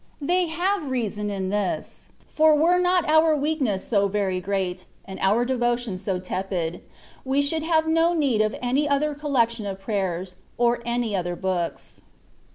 They have reason in this ; for were not our weakness so very great, and our devotion so tepid, we should have no need of any other collec tion of prayers, or any other books.